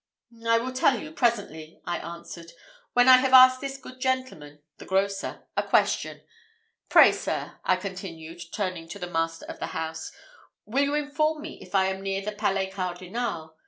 "I will tell you presently," I answered, "when I have asked this good gentleman (the grocer) a question. Pray, sir," I continued, turning to the master of the house, "will you inform me if I am near the Palais Cardinal?